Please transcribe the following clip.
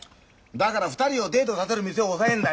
だから２人をデートさせる店を押さえんだよ。